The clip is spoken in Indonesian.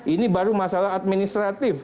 ini baru masalah administratif